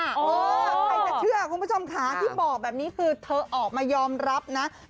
ใครจะเชื่อคุณผู้ชมค่ะที่บอกแบบนี้คือเธอออกมายอมรับนะ